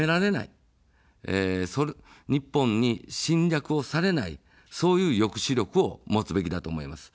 日本に侵略をされない、そういう抑止力を持つべきだと思います。